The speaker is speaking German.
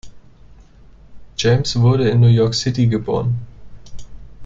James wurde in New York City geboren.